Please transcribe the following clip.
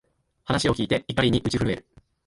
話を聞いて、怒りに打ち震える